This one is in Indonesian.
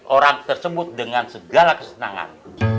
orang tersebut dengan segala kesenangan